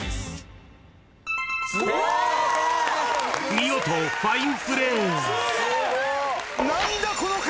［見事ファインプレー］